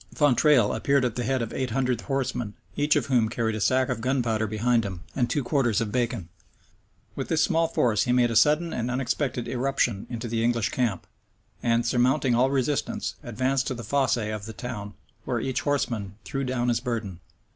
Fontrailles appeared at the head of eight hundred horsemen, each of whom carried a sack of gunpowder behind him, and two quarters of bacon. With this small force he made a sudden and unexpected irruption into the English camp, and, surmounting all resistance, advanced to the fosse of the town, where each horseman threw down his burden.